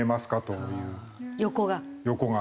横が？